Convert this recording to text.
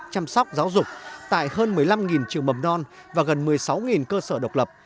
chăm sóc giáo dục tại hơn một mươi năm trường mầm non và gần một mươi sáu cơ sở độc lập